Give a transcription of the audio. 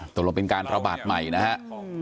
ตรงนั้นเป็นการระบาดใหม่นะครับ